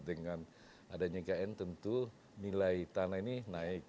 dengan adanya ikn tentu nilai tanah ini naik